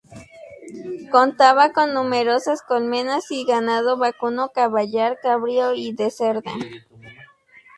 Contaba con numerosas colmenas y ganado vacuno, caballar, cabrío y de cerda.